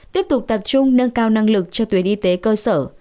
tiếp tục tập trung nâng cao năng lực cho tuyến y tế cơ sở